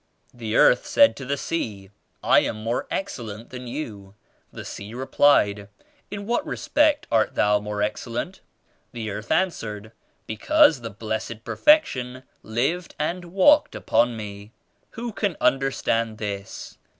88 "The earth said to the sea *I am more excel lent than youl' The sea replied ^In what re spect are thou more excellent?' The earth an swered ^Because the Blessed Perfection lived and walked upon me I' Who can understand this?